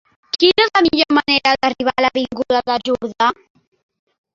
Quina és la millor manera d'arribar a l'avinguda del Jordà?